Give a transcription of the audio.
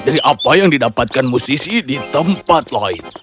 dari apa yang didapatkan musisi di tempat lain